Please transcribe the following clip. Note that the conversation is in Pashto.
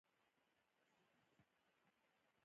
پيژو د موټرو صنعت کې نوښت ته وده ورکوي.